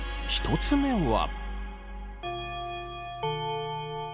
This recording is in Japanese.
１つ目は。